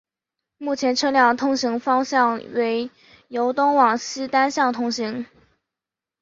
目前车辆通行方向为由东往西单向通行。